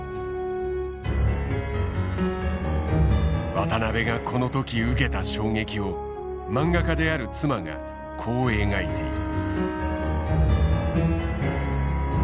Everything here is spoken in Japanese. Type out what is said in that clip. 渡辺がこの時受けた衝撃を漫画家である妻がこう描いている。